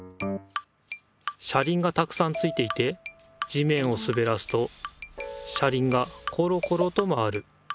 車りんがたくさんついていて地めんをすべらすと車りんがコロコロと回る。